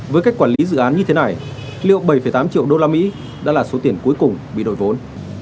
với cách quản lý dự án như thế này liệu bảy tám triệu đô la mỹ đã là số tiền cuối cùng bị đổi vốn